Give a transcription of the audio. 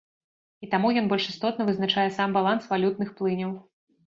І таму ён больш істотна вызначае сам баланс валютных плыняў.